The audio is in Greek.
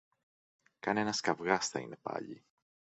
Κανένας καβγάς θα είναι πάλι